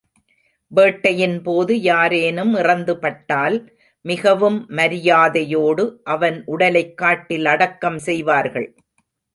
வேட்டையின் போது யாரேனும் இறந்துபட்டால், மிகவும் மரியாதையோடு அவன் உடலைக் காட்டில் அடக்கம் செய்வார்கள்.